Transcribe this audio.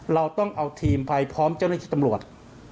เราต้องเอาทีมไปพร้อมเจ้าหน้าที่ตำรวจ